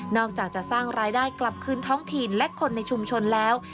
อกจากจะสร้างรายได้กลับคืนท้องถิ่นและคนในชุมชนแล้ว